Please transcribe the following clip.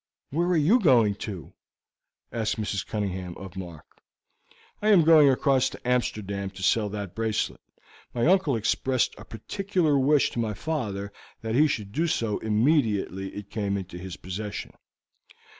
"Where are you going to?" asked Mrs. Cunningham of Mark. "I am going across to Amsterdam to sell that bracelet. My uncle expressed a particular wish to my father that he should do so immediately it came into his possession.